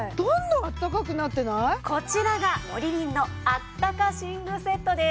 こちらがモリリンのあったか寝具セットです。